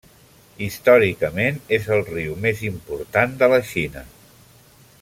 Històricament, és el riu més important de la Xina.